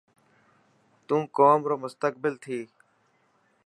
تون قوم رو مستقبل ٿيي.